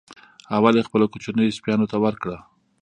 اول یې خپلو کوچنیو سپیانو ته ورکړه.